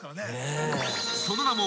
［その名も］